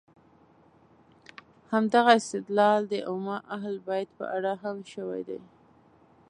همدغه استدلال د ائمه اهل بیت په اړه هم شوی دی.